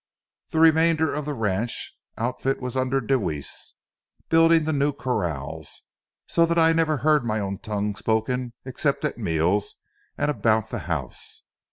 The remainder of the ranch outfit was under Deweese, building the new corrals, so that I never heard my own tongue spoken except at meals and about the house.